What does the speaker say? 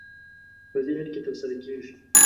په ذهن کې ترسره کېږي.